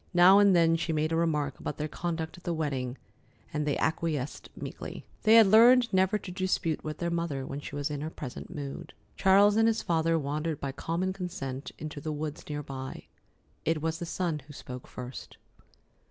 Now and then she made a remark about their conduct at the wedding, and they acquiesced meekly. They had learned never to dispute with their mother when she was in her present mood. Charles and his father wandered by common consent into the woods near by. It was the son who spoke first.